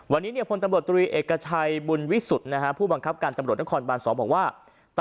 วันนี้พลตำรวจตรีเอกชัยบุญวิสุทธิ์ผู้บังคับการตำรวจตำรวจนักศึกษาหนูอุบาลสองบอกว่า